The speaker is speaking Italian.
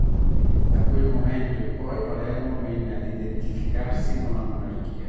Da quel momento in poi Palermo venne ad identificarsi con la monarchia.